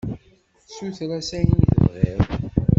Suter-as ayen i tebɣiḍ.